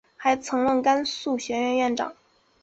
还曾任甘肃学院院长。